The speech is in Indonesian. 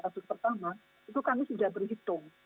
kasus pertama itu kami sudah berhitung